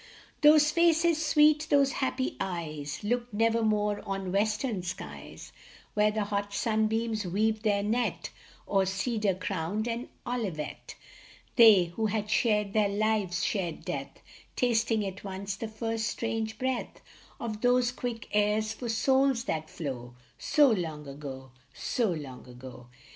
Those faces sweet, those happy eyes, Looked nevermore on Western skies ; Where the hot sunbeams weave their net O er cedar crowned, sad Olivet, They who had shared their lives shared death, Tasting at once the first strange breath Of those quick airs for souls that flow So long ago, so long ago